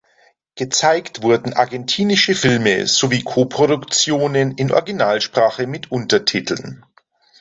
Gezeigt wurden argentinische Filme sowie Coproduktionen in Originalsprache mit Untertiteln.